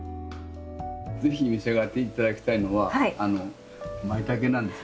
ぜひ召し上がっていただきたいのはまいたけなんです。